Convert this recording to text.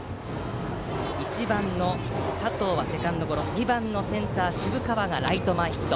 １番の佐藤はセカンドゴロ２番のセンター、渋川がライト前ヒット。